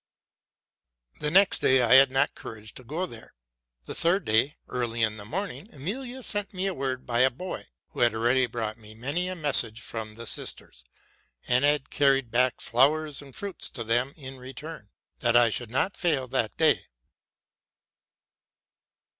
The next day I had not courage to go there. The third day, early in the morning, Emilia sent me word by a boy, — who had already brought me many a message from the sisters, and had earried back flowers and fruits to them in return, — that I should not fail thatday.